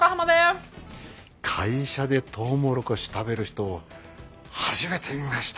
会社でとうもろこし食べる人を初めて見ました。